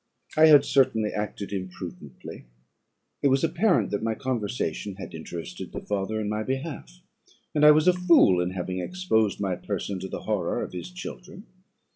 I had certainly acted imprudently. It was apparent that my conversation had interested the father in my behalf, and I was a fool in having exposed my person to the horror of his children.